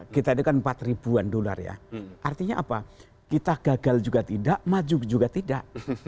kita ini kan empat ribuan dolar ya artinya apa kita gagal juga tidak maju juga tidak